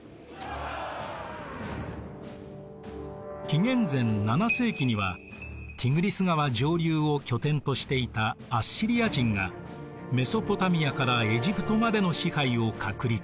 紀元前７世紀にはティグリス川上流を拠点としていたアッシリア人がメソポタミアからエジプトまでの支配を確立。